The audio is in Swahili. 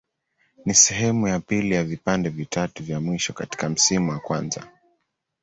Ni sehemu ya pili ya vipande vitatu vya mwisho katika msimu wa kwanza.